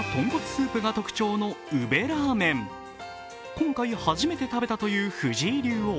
今回、初めて食べたという藤井竜王。